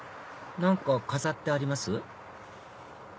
何か飾ってあります？